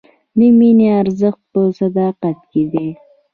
د مینې ارزښت په صداقت کې دی.